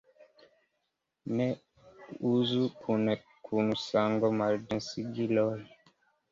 Ne uzu kune kun sango-maldensigiloj.